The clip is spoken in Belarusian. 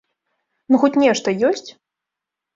Ну хоць нешта ёсць?